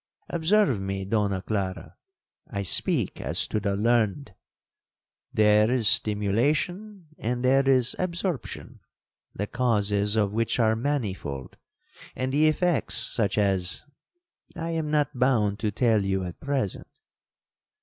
Observe me, Donna Clara—I speak as to the learned. There is stimulation, and there is absorption; the causes of which are manifold, and the effects such as—I am not bound to tell you at present.'